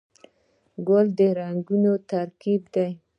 ګل د رنګونو ترکیب دی.